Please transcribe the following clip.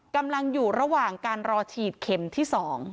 กำลังอยู่ระหว่างการรอฉีดเข็มที่๒